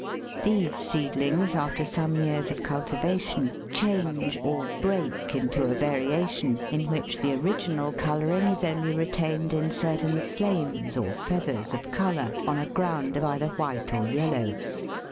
These seedlings, after some years of cultivation, change or "break" into a variation in which the original colouring is only retained in certain flames or feathers of colour, on a ground of either white or yellow.